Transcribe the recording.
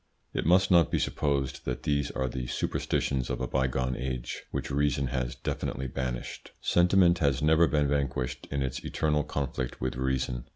It must not be supposed that these are the superstitions of a bygone age which reason has definitely banished. Sentiment has never been vanquished in its eternal conflict with reason.